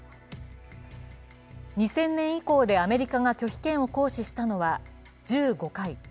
２０００年以降でアメリカが拒否権を行使したのは１５回。